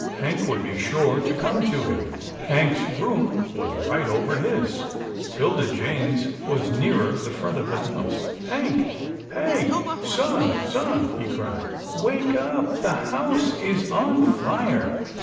Hank would be sure to come to him. Hank's room was right over his, 'Tilda Jane's was nearer the front of the house. " Hank ! Hank ! Son ! Son !" he cried, " wake up — the house is on fire."